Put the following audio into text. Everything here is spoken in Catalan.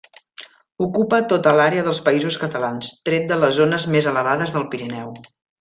Ocupa tota l'àrea dels Països Catalans, tret de les zones més elevades del Pirineu.